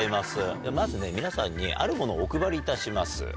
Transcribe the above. まずね皆さんにあるものをお配りいたします。